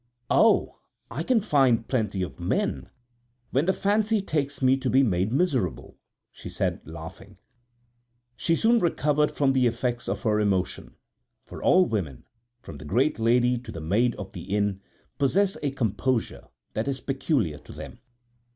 "Oh, I can find plenty of men, when the fancy takes me to be made miserable," she said, laughing. She soon recovered from the effects of her emotion, for all women, from the great lady to the maid of the inn, possess a composure that is peculiar to them.